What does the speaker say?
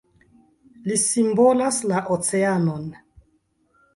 Li simbolas la oceanon.